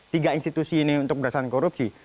tiga institusi ini untuk berdasarkan korupsi